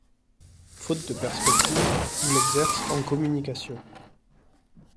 Faute de perspectives, il exerce en communication.